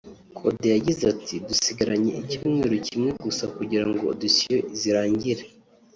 Kode yagize ati " Dusigaranye icyumweru kimwe gusa kugirango auditions zirangire